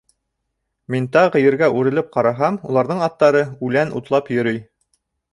Мин тағы Ергә үрелеп ҡараһам... уларҙың аттары үлән утлап йөрөй.